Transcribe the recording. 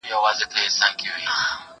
هغه وويل چي ليکنې ضروري دي؟!